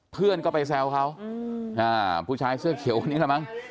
เพื่อนก็ไปแซวเขาผู้ชายเสื้อเขียวคนนี้แหละมั้ง